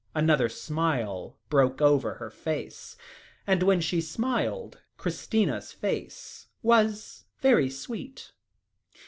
Another smile broke over her face, and when she smiled, Christina's face was very sweet.